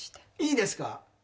いいですか？